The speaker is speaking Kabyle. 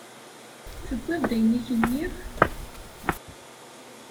Tewwiḍ-d ayen i k-nniɣ?